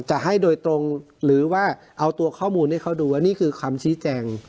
จะให้โดยตรงหรือว่าเอาตัวข้อมูลให้เขาดูว่านี่คือคำชี้แจง